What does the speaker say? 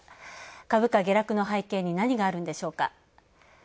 株価下落の背景に何があるんでしょうか。